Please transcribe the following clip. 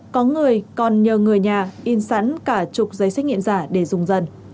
có người còn nhờ người nhà in sẵn cả chục giấy xét nghiệm giả để dùng dần